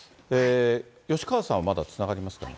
吉川さんはまだつながりますかね。